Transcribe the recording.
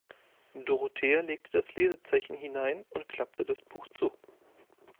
Dorothea legte das Lesezeichen hinein und klappte das Buch zu.